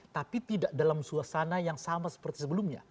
tapi tidak dalam suasana yang sama seperti sebelumnya